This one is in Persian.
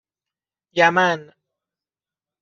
یمن